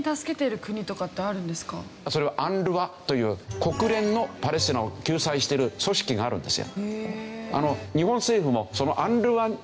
実際にそれはＵＮＲＷＡという国連のパレスチナを救済してる組織があるんですよ。